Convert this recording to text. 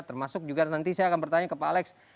termasuk juga nanti saya akan bertanya ke pak alex